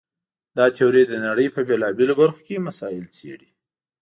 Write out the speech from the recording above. دا تیوري د نړۍ په بېلابېلو برخو کې مسایل څېړي.